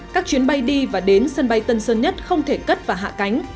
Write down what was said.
các chuyến bay đi và đến sân bay tân sơn nhất không thể cất và hạ cánh